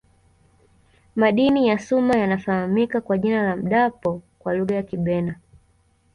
madini ya cuma yanafahamika kwa jina la mdapo kwa lugha ya kibena